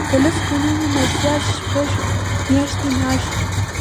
د لس کلونو نه زیات شپږ میاشتې معاش.